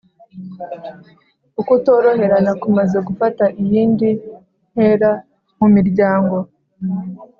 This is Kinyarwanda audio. ukutoroherana kumaze gufata iyindi ntera mu miryango